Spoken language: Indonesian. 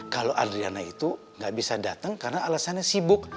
kalau adriana itu nggak bisa datang karena alasannya sibuk